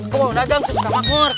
gue mau dagang gue suka makmur